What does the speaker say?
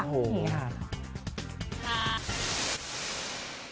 โอ้โห